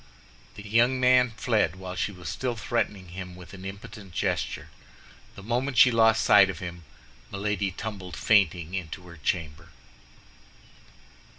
The young man fled while she was still threatening him with an impotent gesture. The moment she lost sight of him, Milady tumbled fainting into her chamber.